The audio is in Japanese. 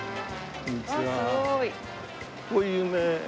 こんにちは。